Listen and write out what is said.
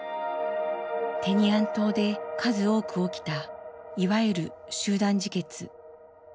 テニアン島で数多く起きたいわゆる集団自決。